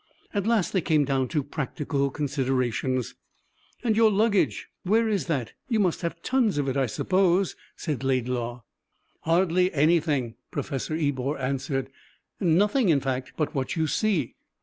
At last they came down to practical considerations. "And your luggage where is that? You must have tons of it, I suppose?" said Laidlaw. "Hardly anything," Professor Ebor answered. "Nothing, in fact, but what you see."